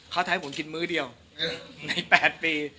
เขาจะให้ผมกินมื้อเดียวใน๘ปี